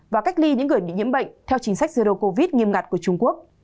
và cách ly những người bị nhiễm bệnh theo chính sách zero covid nghiêm ngặt của trung quốc